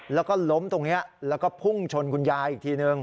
แล้วก็ล้มตรงนี้แล้วก็พุ่งชนคุณยายอีกทีนึง